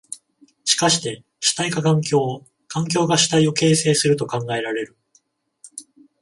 しかして主体が環境を、環境が主体を形成すると考えられる。